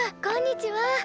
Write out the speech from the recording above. こんにちは！